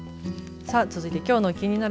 さあ、続いてきょうのキニナル！